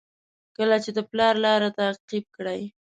کله چې د پلار لاره تعقیب کړئ.